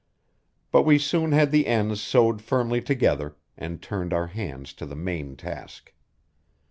But we soon had the ends sewed firmly together and turned our hands to the main task.